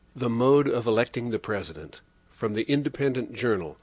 68 The Mode of Electing the President From The Independent Journal.